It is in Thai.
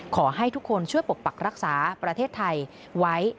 ขอให้ทุกคนช่วยปกปักรักษาประเทศไทยไว้